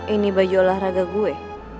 ini baju olahraga gue